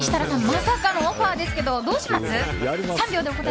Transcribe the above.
まさかのオファーですけどどうします？